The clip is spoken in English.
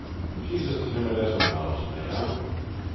She's as timid as a mouse, ma'am.'